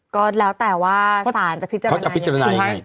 ก็แล้วแต่ว่าสารจะพิจารณาให้